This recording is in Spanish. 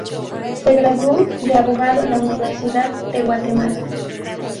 Se graduó de abogado en la Universidad de Guatemala.